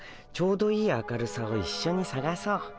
ちょうどいい明るさをいっしょにさがそう。